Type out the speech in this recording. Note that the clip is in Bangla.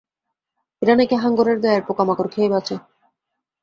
এরা নাকি হাঙ্গরের গায়ের পোকা-মাকড় খেয়ে বাঁচে।